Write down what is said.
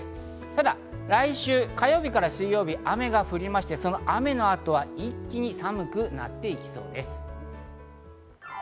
ただ、来週火曜日から水曜日、雨が降りまして、その雨の後は一気に寒くなっていきそうです。